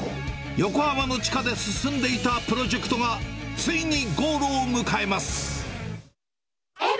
横浜の地下で進んでいたプロジェクトがついにゴールを迎えます。